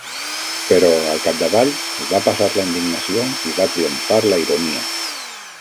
Però, al capdavall, va passar la indignació i va triomfar la ironia.